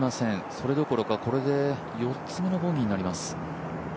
それどころか、これで４つ目のボギーになります。